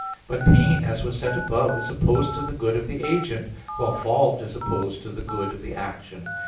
But pain, as was said above (A. 5), is opposed to the good of the agent, while fault is opposed to the good of the action.